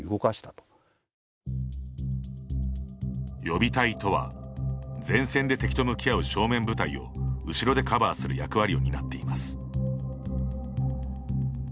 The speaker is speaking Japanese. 予備隊とは前線で敵と向き合う正面部隊を後ろでカバーする役割を担っています。